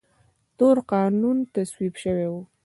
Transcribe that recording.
تور قانون تصویب شوی و.